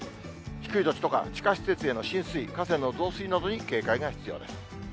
低い土地とか地下施設への浸水、河川の増水などに警戒が必要です。